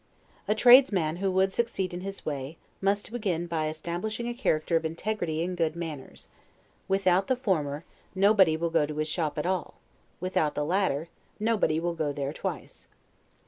A tradesman who would succeed in his way, must begin by establishing a character of integrity and good manners; without the former, nobody will go to his shop at all; without the latter, nobody will go there twice.